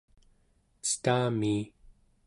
cetamii